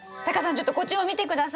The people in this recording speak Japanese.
ちょっとこっちも見て下さい。